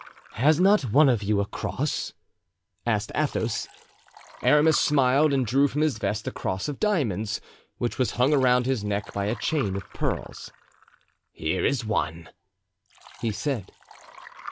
"Has not one of you a cross?" asked Athos. Aramis smiled and drew from his vest a cross of diamonds, which was hung around his neck by a chain of pearls. "Here is one," he said.